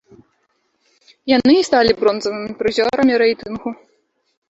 Яны і сталі бронзавымі прызёрамі рэйтынгу.